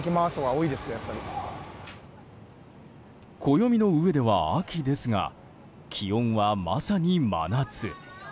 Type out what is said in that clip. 暦の上では秋ですが気温は、まさに真夏。